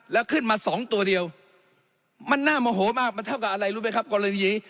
แล้วขึ้นมาสองตัวเดียวมันน่าโมโหมากมันเท่ากับอะไรรู้ไหมครับกรณีนี้